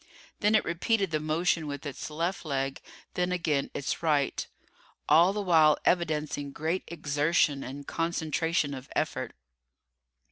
Then it repeated the motion with its left leg; then again its right. All the while evidencing great exertion and concentration of effort.